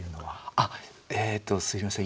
あっえっとすみません。